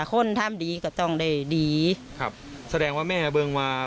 ก็ได้ครัวแล้ว